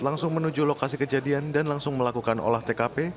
langsung menuju lokasi kejadian dan langsung melakukan olah tkp